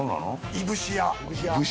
いぶしや。